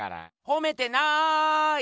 ほめてない！